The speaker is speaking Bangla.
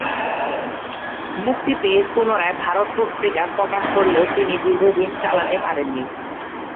মুক্তি পেয়ে পুনরায় "ভারত" পত্রিকা প্রকাশ করলেও তিনি দীর্ঘদিন চালাতে পারেননি।